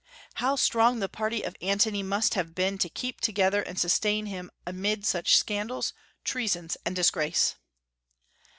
How strong the party of Antony must have been to keep together and sustain him amid such scandals, treasons, and disgrace!